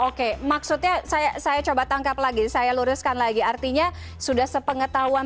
oke maksudnya saya coba tangkap lagi saya luruskan lagi artinya sudah sepengetahuan